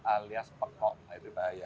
alias pekok itu bahaya